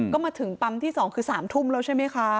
ก็มาถึงปั๊มที่๒คือ๓ทุ่มแล้วใช่ไหมคะ